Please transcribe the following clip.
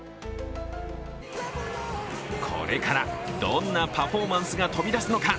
これからどんなパフォーマンスが飛び出すのか。